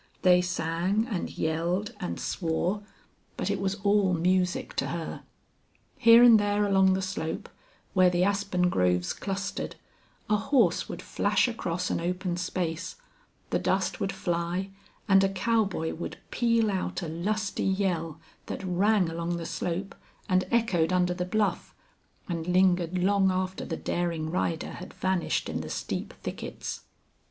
They sang and yelled and swore, but it was all music to her. Here and there along the slope, where the aspen groves clustered, a horse would flash across an open space; the dust would fly, and a cowboy would peal out a lusty yell that rang along the slope and echoed under the bluff and lingered long after the daring rider had vanished in the steep thickets.